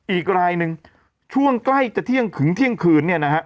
อีกรายหนึ่งช่วงใกล้จนถึงเที่ยงคืน